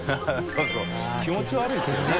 そうそう気持ち悪いですよね。